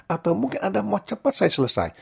atau mungkin anda mau cepat saya selesai